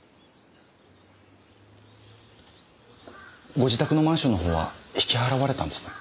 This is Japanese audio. ご自宅のマンションの方は引き払われたんですね。